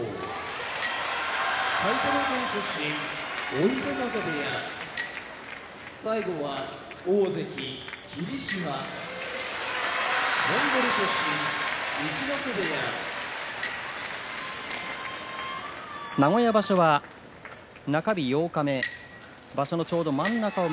追手風部屋大関・霧島モンゴル出身陸奥部屋名古屋場所は中日八日目場所のちょうど真ん中を